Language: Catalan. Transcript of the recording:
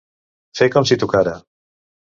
Fer com si tocara.